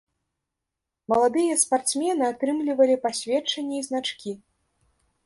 Маладыя спартсмены атрымлівалі пасведчанні і значкі.